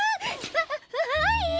はははい！